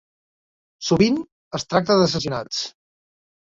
Sovint es tracta d'assassinats.